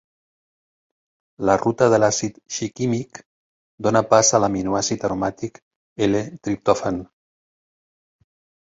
La ruta de l'àcid shikímic dona pas a l'aminoàcid aromàtic, L-Triptòfan.